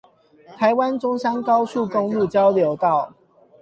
臺灣中山高速公路交流道